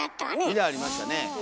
２台ありましたねえ。